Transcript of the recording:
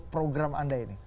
program anda ini